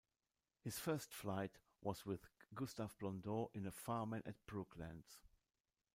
His first flight was with Gustave Blondeau in a Farman at Brooklands.